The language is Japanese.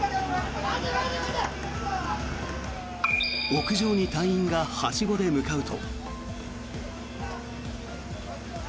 屋上に隊員がはしごで向かうと。